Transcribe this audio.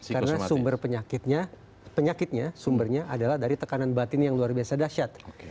karena sumber penyakitnya adalah dari tekanan batin yang luar biasa dahsyat